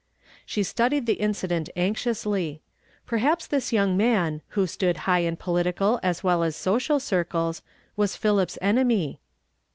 She studied the incident anxiously. Perhaps this young man, who stood high in po litical as well as social circles, was Phili[)\s enemy.